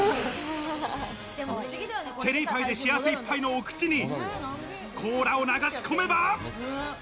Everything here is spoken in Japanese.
チェリーパイで幸せいっぱいのお口にコーラを流し込めば。